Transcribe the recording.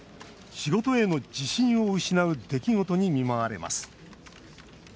ある日、仕事への自信を失う出来事に見舞われます。